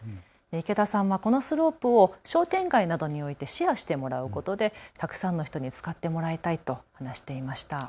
池田さんはこのスロープを商店街などに置いてシェアしてもらうことでたくさんの人に使ってもらいたいと話していました。